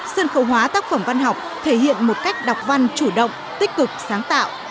sân khấu hóa tác phẩm văn học thể hiện một cách đọc văn chủ động tích cực sáng tạo